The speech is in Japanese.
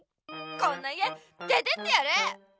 こんな家出てってやる！